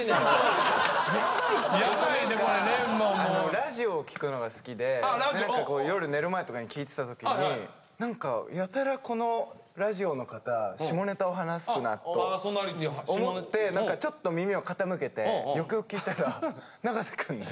ラジオを聞くのが好きで夜寝る前とかに聞いてた時に何かやたらこのラジオの方下ネタを話すなと思ってちょっと耳を傾けてよくよく聞いてたら永瀬くんで。